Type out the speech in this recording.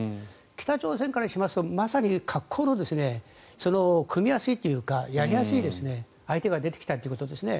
北朝鮮からしますとまさに格好のくみやすいというかやりやすい相手が出てきたということですね。